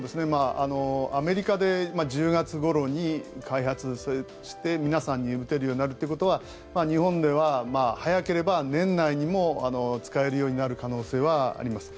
アメリカで１０月ごろに開発して皆さんに打てるようになるということは日本では早ければ年内にも使えるようになる可能性はあります。